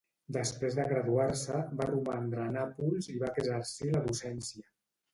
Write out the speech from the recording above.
Després de graduar-se, va romandre a Nàpols i va exercir la docència.